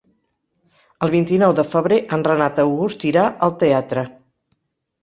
El vint-i-nou de febrer en Renat August irà al teatre.